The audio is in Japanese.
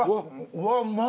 うわっうまい！